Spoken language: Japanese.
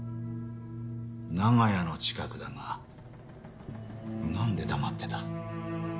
長屋の近くだがなんで黙ってた？